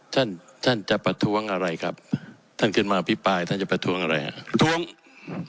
ท่านจะประท้วงอะไรครับท่านขึ้นมาอภิปรายท่านจะประท้วงอะไรครับ